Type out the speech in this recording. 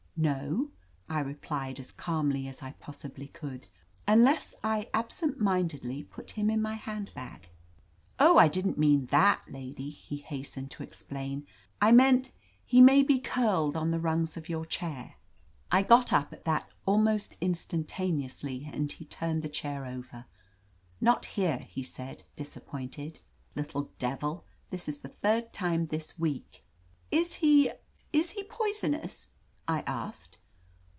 "No," I replied as calmly as I possibly could, "tmless I absent mindedly put him in my hand bag!" "Oh, I didn't mean that, lady," he hastened 164 «1 is^ OF LETITIA (JARBERRY to explain, "I meant — he may be curled on the rungs of your chair/' I got up at that almost instantaneously and he tiUTied the chair over. "Not here/* he said, disappointed. "Little devil, this is the third time this week!" Is he — is he poisonous?" I asked.